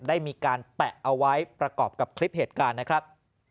ได้มีการแปะเอาไว้ประกอบกับคลิปเหตุการณ์นะครับ